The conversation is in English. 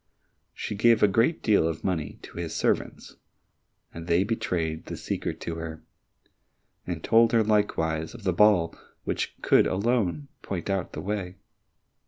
She gave a great deal of money to his servants, and they betrayed the secret to her, and told her likewise of the ball which alone could point out the way.